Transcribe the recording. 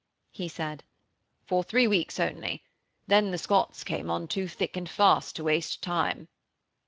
He said: 'For three weeks only. Then the Scots came on too thick and fast to waste time.'